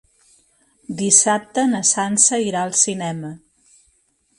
Dissabte na Sança irà al cinema.